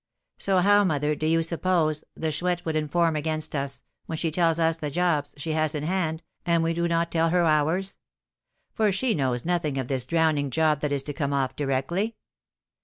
So how, mother, do you suppose the Chouette would inform against us, when she tells us the 'jobs' she has in hand, and we do not tell her ours? for she knows nothing of this drowning job that is to come off directly.